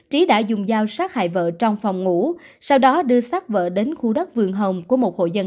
trí đã dùng dao sát hại vợ trong phòng ngủ sau đó đưa sát vợ đến khu đất vườn hồng của một hộ dân